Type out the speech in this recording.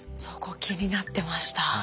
そこ気になってました。